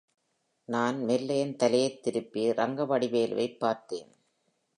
நான் மெல்ல என் தலையைத் திருப்பி ரங்கவடிவேலு வைப் பார்த்தேன்.